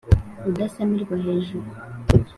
udasamirwa hejuru